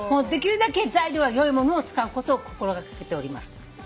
できるだけ材料はよいものを使うことを心掛けております。